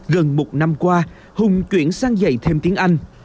gần một năm qua hùng chuyển sang dạy thêm tiếng anh